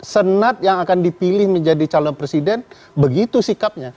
senat yang akan dipilih menjadi calon presiden begitu sikapnya